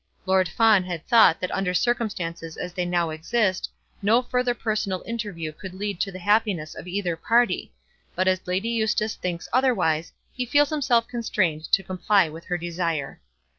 Lord Fawn had thought that under circumstances as they now exist, no further personal interview could lead to the happiness of either party; but as Lady Eustace thinks otherwise, he feels himself constrained to comply with her desire.